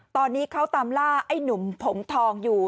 ตอนนี้เขาตามล่าไอ้หนุ่มผมทองอยู่